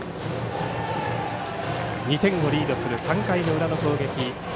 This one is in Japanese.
２点をリードする３回の裏の攻撃。